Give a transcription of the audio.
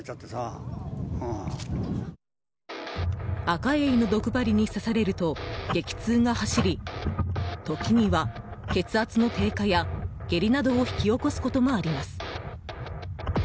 アカエイの毒針に刺されると激痛が走り時には血圧の低下や下痢などを引き起こすこともあります。